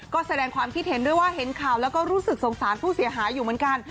ก็แสดงความคิดเห็นด้วยว่าเห็นข่าวแล้วก็รู้สึกสงสารผู้เสียหายอยู่เหมือนกัน